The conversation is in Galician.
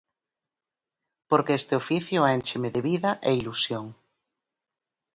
Porque este oficio éncheme de vida e ilusión.